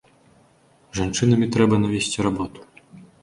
З жанчынамі трэба навесці работу.